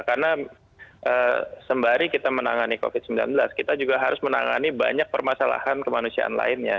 karena sembari kita menangani covid sembilan belas kita juga harus menangani banyak permasalahan kemanusiaan lainnya